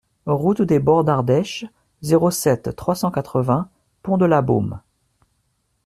Route des Bords d'Ardèche, zéro sept, trois cent quatre-vingts Pont-de-Labeaume